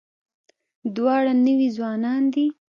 دواړه نوي ځوانان دي.